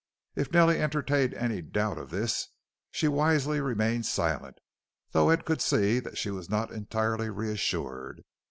If Nellie entertained any doubt of this she wisely remained silent, though Ed could see that she was not entirely reassured.